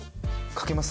かけます？